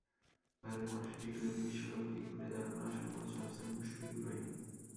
ঘরের মাঠে টি-টোয়েন্ট বিশ্বকাপকেই ঘুরে দাঁড়ানোর আসল মঞ্চ ভাবছেন মুশফিকুর রহিম।